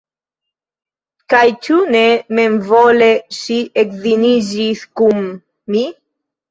Kaj ĉu ne memvole ŝi edziniĝis kun mi?